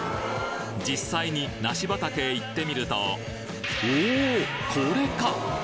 実際に梨畑へ行ってみるとおおこれか！